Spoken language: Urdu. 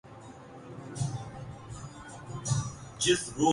اس کو کیوں درست نہیں کیا جا رہا؟